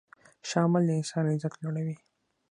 ښه عمل د انسان عزت لوړوي.